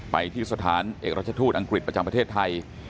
ไปที่สถานเอกราชทูตอังกฤษประจำประเทศไทย